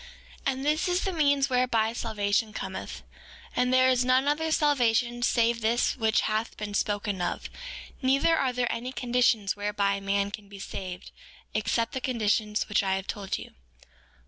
4:8 And this is the means whereby salvation cometh. And there is none other salvation save this which hath been spoken of; neither are there any conditions whereby man can be saved except the conditions which I have told you.